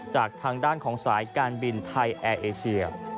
จากทางด้านของสายการบินไทยแอร์เอเชีย